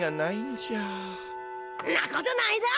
んなことないだ！